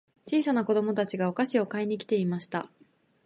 小さな子供たちがお菓子を買いに来ていました。